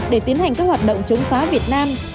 để tiến hành các hoạt động chống phá việt nam